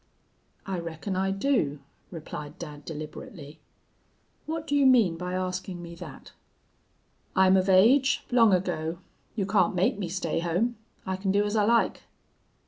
"'I reckon I do,' replied dad, deliberately. 'What do you mean by askin' me thet?' "'I'm of age, long ago. You can't make me stay home. I can do as I like.'